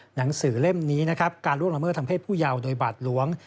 หนังสือเล่มนี้นะครับการล่วงละเมิดทางเพศผู้ยาวโดยบาดหลวง